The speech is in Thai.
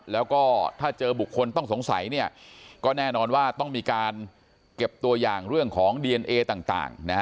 แล้วก็ถ้าเจอบุคคลต้องสงสัยเนี่ยก็แน่นอนว่าต้องมีการเก็บตัวอย่างเรื่องของดีเอนเอต่าง